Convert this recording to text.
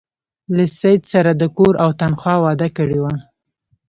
له سید سره د کور او تنخوا وعده کړې وه.